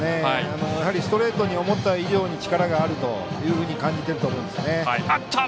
ストレートに思った以上に力があると感じていると思いますね。